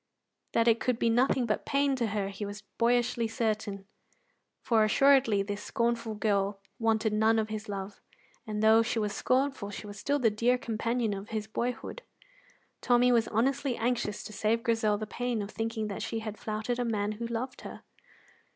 That it could be nothing but pain to her he was boyishly certain, for assuredly this scornful girl wanted none of his love. And though she was scornful, she was still the dear companion of his boyhood. Tommy was honestly anxious to save Grizel the pain of thinking that she had flouted a man who loved her.